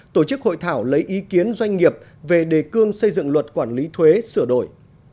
tổ chức hội thảo lấy ý kiến doanh nghiệp về đề cương xây dựng luật quản lý thuế sửa đổi